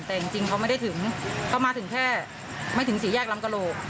แต่จริงเขาไม่ได้ถึงเขามาถึงแค่ไม่ถึงสี่แยกลำกระโหลก